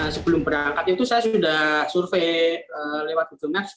sebelum berangkat itu saya sudah survei lewat ujungnya